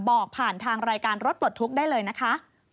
บอกผ่านทางรายการรถปลดทุกข์ได้เลยนะคะ